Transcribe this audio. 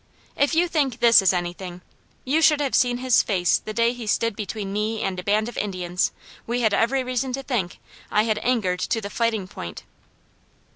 If you think this is anything, you should have seen his face the day he stood between me and a band of Indians, we had every reason to think, I had angered to the fighting point."